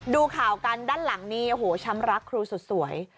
ดูข่าวกันด้านหลังนี่โอ้โหช้ำรักครูสุดสวย